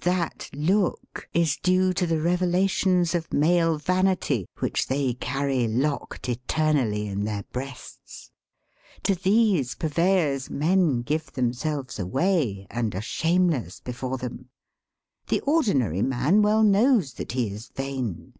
That look is due to the revelations of male vanity which they carry locked eternally in their breasts. To these purveyors men give them selves away and are shameless before them. The ordinary man well knows that he is vain.